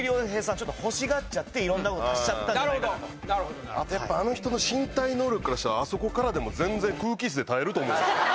ちょっと欲しがっちゃって色んなこと足しちゃったんじゃなるほどなるほどあとあの人の身体能力からしたらあそこからでも全然空気イスで耐えると思うんですよ